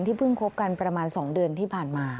เพิ่งคบกันประมาณ๒เดือนที่ผ่านมา